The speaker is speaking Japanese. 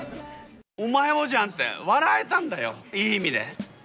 お前もじゃんって、笑えたんだよ、いい意味で。